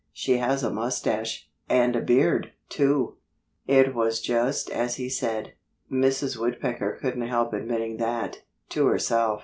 She has a mustache—and a beard, too!" It was just as he said. Mrs. Woodpecker couldn't help admitting that, to herself.